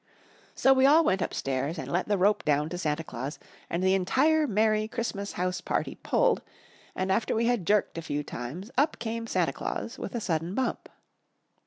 So we all went upstairs and let the rope down to Santa Claus, and the entire merry Christmas house party pulled, and after we had jerked a few times up came Santa Claus with a sudden bump.